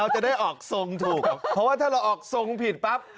จะได้ออกทรงถูกครับเพราะว่าถ้าเราออกทรงผิดปั๊บ